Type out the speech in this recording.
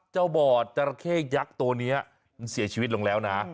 เจ้าบ่อดเจราะเข้ยักษ์ตัวนี้เสียชีวิตลงแล้วนะ